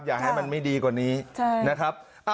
อยากให้มันไม่ดีกว่านี้นะครับ